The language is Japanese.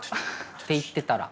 って言ってたら。